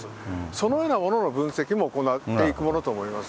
そのようなものの分析も行っていくものと思います。